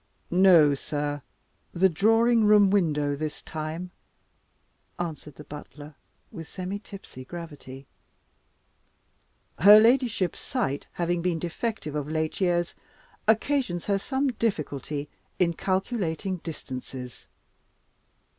"No, sir; the drawing room window this time," answered the butler, with semi tipsy gravity. "Her ladyship's sight having been defective of late years, occasions her some difficulty in calculating distances.